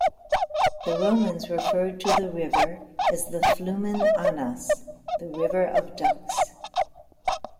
The Romans referred to the river as the Flumen Anas, the "river of ducks".